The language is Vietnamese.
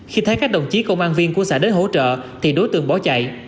khi thấy các đồng chí công an viên của xã đến hỗ trợ thì đối tượng bỏ chạy